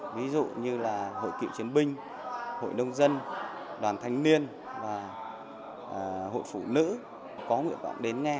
ví dụ như là hội cựu chiến binh hội nông dân đoàn thanh niên và hội phụ nữ có nguyện vọng đến nghe